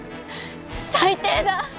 最低だ！